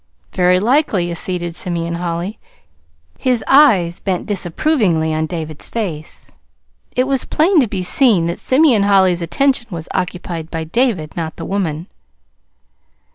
"Very likely," acceded Simeon Holly, his eyes bent disapprovingly on David's face. It was plain to be seen that Simeon Holly's attention was occupied by David, not the woman.